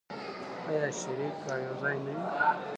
آیا شریک او یوځای نه وي؟